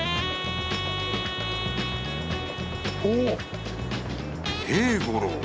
おっ平五郎！